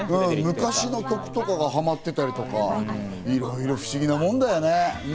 昔の曲がはまっていたりとか、いろいろ不思議なもんだよね。